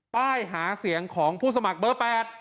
ป้ายหาเสียงของผู้สมัครเบอร์๘